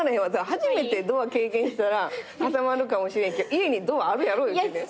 初めてドア経験したら挟まるかもしれんけど家にドアあるやろ言うてんねん。